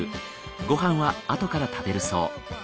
ご飯はあとから食べるそう。